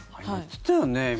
言ってたよね、今。